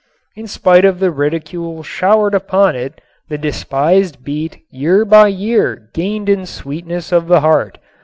In spite of the ridicule showered upon it the despised beet year by year gained in sweetness of heart.